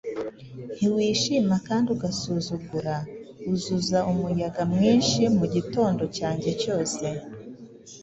Ntiwishima kandi ugasuzugura Uzuza umuyaga mwinshi mu gitondo cyanjye cyose,